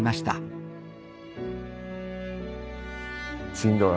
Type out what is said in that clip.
しんどい